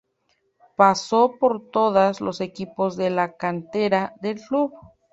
Pasó por todos los equipos de la cantera del club.